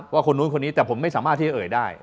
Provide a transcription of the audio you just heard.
คนนู้นคนนี้แต่ผมไม่สามารถที่จะเอ่ยได้